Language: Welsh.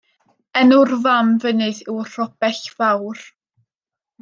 Enw'r fam fynydd yw Rhobell Fawr.